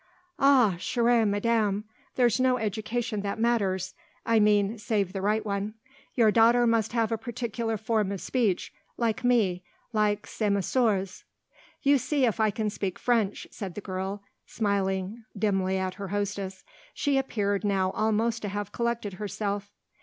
"Ah, chère madame, there's no education that matters! I mean save the right one. Your daughter must have a particular form of speech, like me, like ces messieurs." "You see if I can speak French," said the girl, smiling dimly at her hostess. She appeared now almost to have collected herself.